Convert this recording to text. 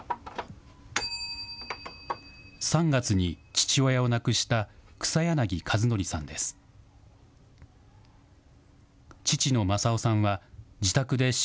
３月に父親を亡くした草柳和典さんです。